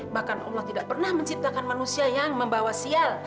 bahkan allah tidak pernah menciptakan manusia yang membawa sial